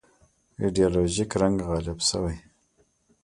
ایدیالوژیک رنګ غالب شوی.